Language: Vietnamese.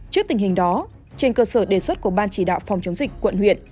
trước tình hình đó trên cơ sở đề xuất của ban chỉ đạo phòng chống dịch quận huyện